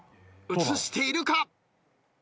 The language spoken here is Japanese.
映しているか？